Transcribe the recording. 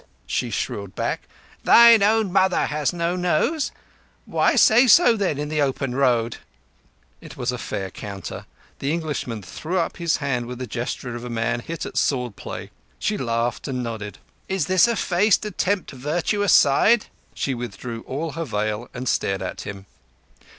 she shrilled back. "Thine own mother has no nose? Why say so, then, on the open road?" It was a fair counter. The Englishman threw up his hand with the gesture of a man hit at sword play. She laughed and nodded. "Is this a face to tempt virtue aside?" She withdrew all her veil and stared at him.